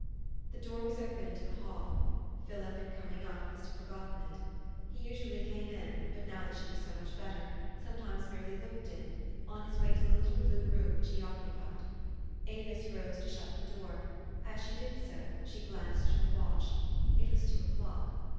The door was open into the hall. Philip, in com ing up, must have forgotten it. He usually came in, but, now that she was so much better, sometimes merely looked in, on his way to the little blue room 334 THE STORY OF AVIS. which he occupied. Avis rose to shut the door : as she did so, she glanced at her watch. It was two o'clock.